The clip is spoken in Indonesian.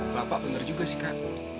bapak benar juga sih kan